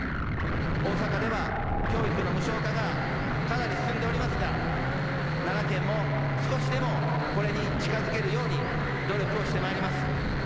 大阪では、教育の無償化がかなり進んでおりますが、奈良県も少しでもこれに近づけるように努力をしてまいります。